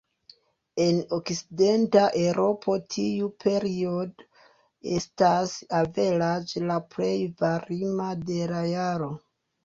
En Okcidenta Eŭropo tiu periodo estas averaĝe la plej varma de la jaro.